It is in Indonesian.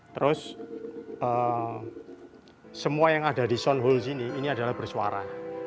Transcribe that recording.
terus semua yang ada di soundhole sini ini adalah bersuara